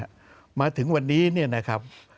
การลงประชามตีเนี่ยมาถึงวันนี้เนี่ยนะครับ